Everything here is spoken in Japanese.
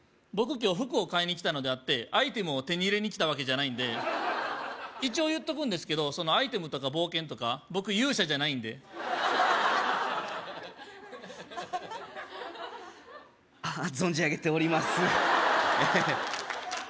僕今日服を買いに来たのであってアイテムを手に入れに来たわけじゃないんで一応言っとくんですけどそのアイテムとか冒険とか僕勇者じゃないんで存じ上げておりますアハハ